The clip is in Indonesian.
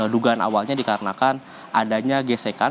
dugaan awalnya dikarenakan adanya gesekan